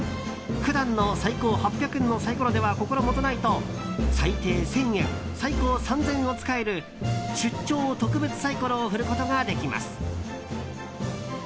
普段の最高８００円のサイコロでは心もとないと、最低１０００円最高３０００円を使える出張特別サイコロを振ることができます。